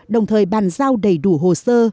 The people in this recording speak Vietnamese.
đồng thời bàn giao đầy đủ hồ sơ